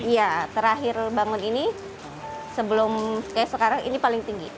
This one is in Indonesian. iya terakhir bangun ini sebelum sekarang ini paling tinggi